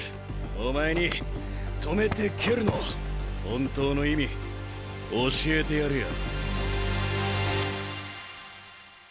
お前に「止めて蹴る」の本当の意味教えてやるよ。